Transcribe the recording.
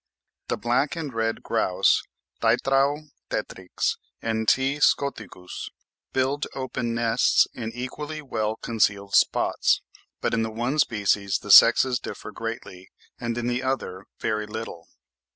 The black and red grouse (Tetrao tetrix and T. scoticus) build open nests in equally well concealed spots, but in the one species the sexes differ greatly, and in the other very little.